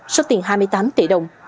số tiền hai mươi tám tỷ đồng